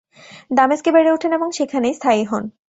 দামেস্কে বেড়ে উঠেন এবং সেখানেই স্থায়ী হন।